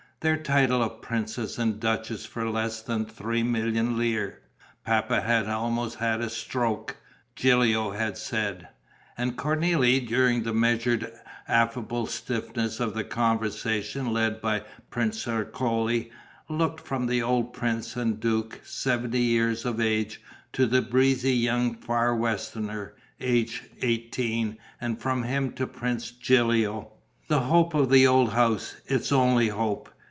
Their title of princess and duchess for less than three million lire! Papa had almost had a stroke, Gilio had said. And Cornélie, during the measured, affable stiffness of the conversation led by Prince Ercole, looked from the old prince and duke, seventy years of age, to the breezy young Far Westerner, aged eighteen, and from him to Prince Gilio, the hope of the old house, its only hope.